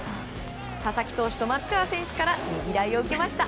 佐々木投手と松川選手からねぎらいを受けました。